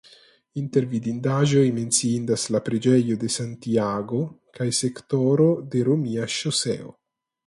Inter vidindaĵoj menciindas la preĝejo de Santiago kaj sektoro de romia ŝoseo.